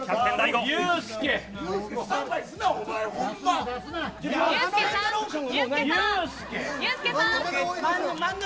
ユースケさん。